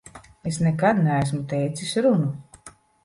Es nekad neesmu teicis runu.